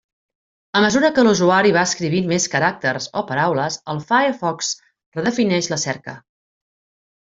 A mesura que l'usuari va escrivint més caràcters o paraules, el Firefox redefineix la cerca.